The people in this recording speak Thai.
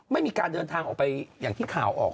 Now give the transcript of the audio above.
ไม่มีการเดินทางออกไปอย่างที่ข่าวออก